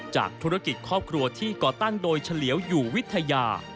จากธุรกิจครอบครัวที่ก่อตั้งโดยเฉลียวอยู่วิทยา